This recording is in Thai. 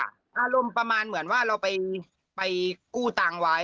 อารมณ์ประมาณเหมือนว่าเราไปกู้ตังค์ไว้